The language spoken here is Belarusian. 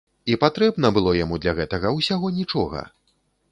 І патрэбна было яму для гэтага ўсяго нічога!